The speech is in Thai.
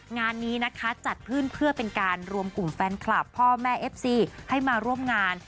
งานนี้นะคะจัดขึ้นเพื่อเป็นการรวมกลุ่มแฟนคลับพ่อแม่เอฟซีให้มาร่วมงาน